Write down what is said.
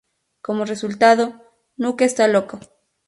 Como resultado, Nuke está loco.